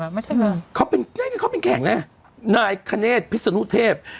ไม่ใช่อืมเขาเป็นน่ะนี่เขาเป็นแข่งน่ะผพิศนุเทพ